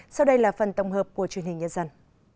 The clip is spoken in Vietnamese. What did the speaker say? sau đây là phần tổng hợp của truyền hình nhân dân